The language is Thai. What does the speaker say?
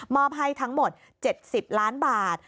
อบให้ทั้งหมด๗๐ล้านบาท